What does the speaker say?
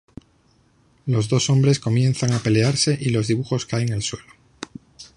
Los dos hombres comienzan a pelearse y los dibujos caen al suelo.